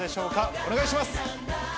お願いします！